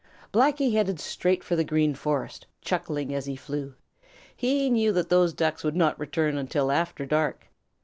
Blacky headed straight for the Green Forest, chuckling as he flew. He knew that those Ducks would not return until after dark.